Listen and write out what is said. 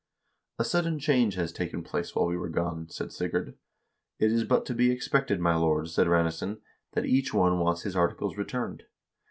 ' A sudden change has taken place while we were gone,' said Sigurd. 'It is but to be expected, my lord,' said Ranesson, 'that each one wants his articles returned.